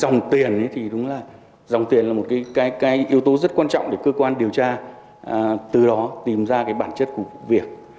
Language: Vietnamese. dòng tiền thì đúng là dòng tiền là một cái yếu tố rất quan trọng để cơ quan điều tra từ đó tìm ra cái bản chất của vụ việc